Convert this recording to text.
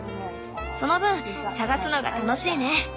その分探すのが楽しいね。